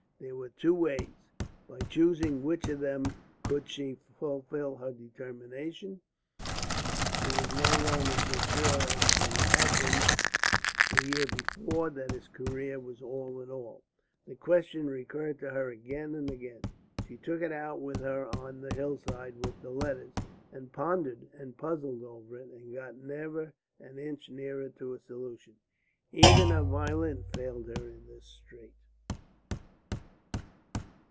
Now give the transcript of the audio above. There were two ways. By choosing which of them could she fulfil her determination? She was no longer so sure as she had been the year before that his career was all in all. The question recurred to her again and again. She took it out with her on the hillside with the letters, and pondered and puzzled over it and got never an inch nearer to a solution. Even her violin failed her in this strait.